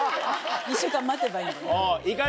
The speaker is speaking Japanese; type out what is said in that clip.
１週間待てばいいのね。